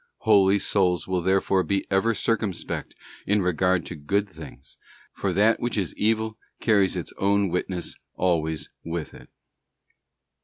Holy souls will therefore be ever circumspect in regard to good things, for that which is evil carries its own witness always with it.